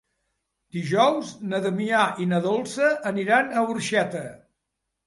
Dijous na Damià i na Dolça aniran a Orxeta.